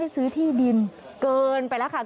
ซื้อที่ดินเกินไปแล้วค่ะ